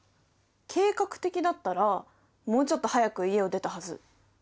計画的だったらもうちょっと早く家を出たはず。